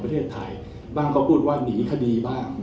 ประเทศไทย